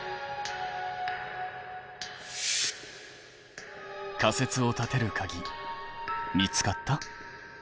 仮説を立てるかぎ見つかった？